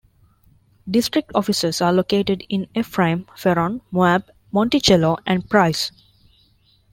District offices are located in Ephraim, Ferron, Moab, Monticello, and Price.